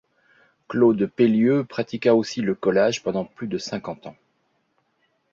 Claude Pélieu pratiqua aussi le collage pendant plus de cinquante ans.